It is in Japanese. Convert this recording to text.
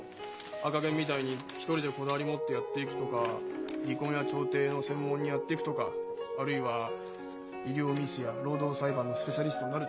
赤ゲンみたいに一人でこだわり持ってやっていくとか離婚や調停を専門にやっていくとかあるいは医療ミスや労働裁判のスペシャリストになるとか。